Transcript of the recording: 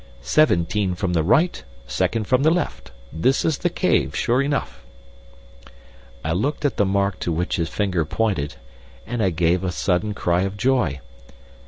"Seventeen from the right and second from the left. This is the cave sure enough." I looked at the mark to which his finger pointed, and I gave a sudden cry of joy.